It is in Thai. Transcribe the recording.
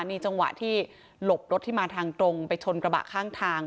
นี่จังหวะที่หลบรถที่มาทางตรงไปชนกระบะข้างทาง